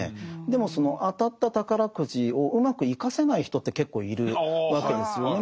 でもその当たった宝くじをうまく生かせない人って結構いるわけですよね。